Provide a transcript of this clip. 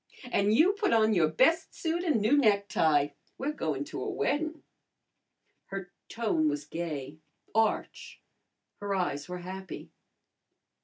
"An' you put on your best suit an' new necktie. We're goin' to a weddin'." Her tone was gay, arch, her eyes were happy.